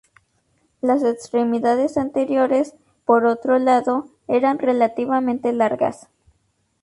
Las extremidades anteriores, por otro lado, eran relativamente largas.